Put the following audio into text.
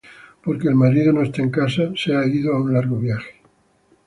Porque el marido no está en casa, Hase ido á un largo viaje: